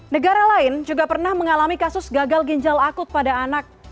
negara lain juga pernah mengalami kasus gagal ginjal akut pada anak